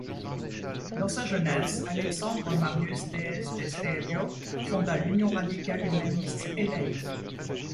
Dans sa jeunesse, Alexandre Marius Dées de Sterio fonda l’Union Radicale Humaniste et Laïque.